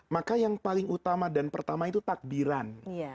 maka yang paling utama dan pertama itu takbiran